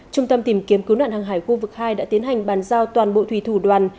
trung tâm tìm kiếm cứu nạn hàng hải khu vực hai đã tiến hành bàn giao toàn bộ thủy thủ đoàn